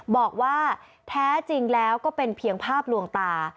บอกว่าแท้จริงแล้วก็เป็นเพียงภาพลวงตา